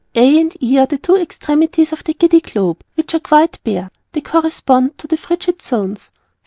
A. and E. are the two extremities of the Giddy Globe, which are quite bare. They correspond to the Frigid Zones.